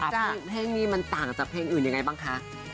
เพลงนี้มันต่างจากเพลงอื่นยังไงบ้างคะ